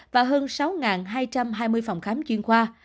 và hơn sáu hai trăm hai mươi phòng khám chuyên khoa